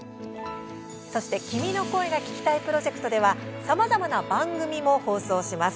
そして「君の声が聴きたい」プロジェクトではさまざまな番組も放送します。